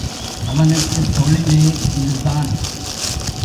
அவனுக்குத் தொழிலே இது தான்.